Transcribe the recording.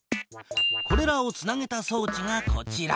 これらをつなげたそうちがこちら。